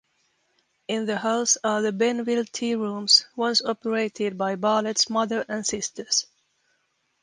In the house are the Benville Tearooms, once operated by Bartlett's mother and sisters.